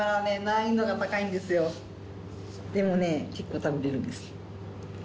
でもね結構食べれるんです。